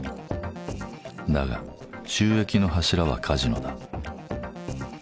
だが収益の柱はカジノだ。